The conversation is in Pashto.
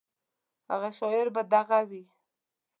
هغه شاعر به دغه وي.